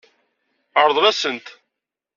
Ṛḍel-asen-t.